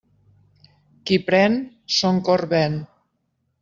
Qui pren, son cor ven.